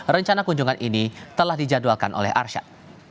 rencana kunjungan ini telah dijadwalkan oleh arsyad